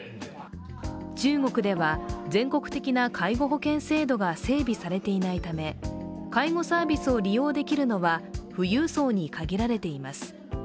中国では全国的な介護保険制度が整備されていないため介護サービスを利用できるのは富裕層に限られています。